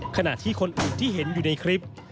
ขณะที่คนอื่นที่เห็นอยู่ในคลิป